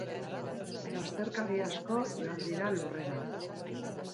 Lasterkari asko joan dira lurrera.